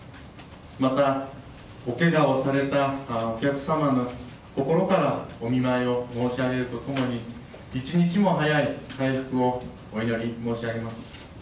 また、おけがをされたお客様にも心からお見舞いを申し上げると共に一日も早い回復をお祈り申し上げます。